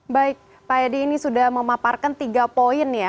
baik pak edi ini sudah memaparkan tiga poin ya